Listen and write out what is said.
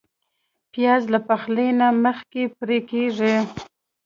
پیاز له پخلي نه مخکې پرې کېږي